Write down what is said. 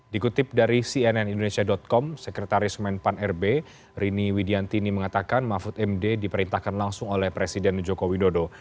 dikutip dari cnn indonesia com sekretaris menpan rb rini widiantini mengatakan mahfud md diperintahkan langsung oleh presiden joko widodo